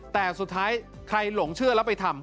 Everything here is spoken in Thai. แต่สุดท้ายใครหลงเชื่อแล้วไปทำ